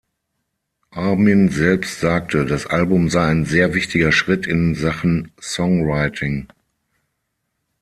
Armin selbst sagte, das Album sei ein sehr wichtiger Schritt in Sachen Songwriting.